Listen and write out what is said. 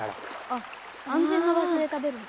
あ安全な場所で食べるんだ。